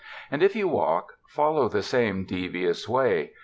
And, if you walk, follow the same de vious way.